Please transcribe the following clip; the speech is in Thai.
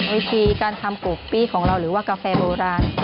วิธีการทำโกปี้ของเราหรือว่ากาแฟโบราณ